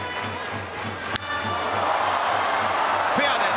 フェアです。